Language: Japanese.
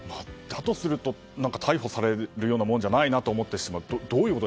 だとすると逮捕されるようなものじゃないなと思ってしまう。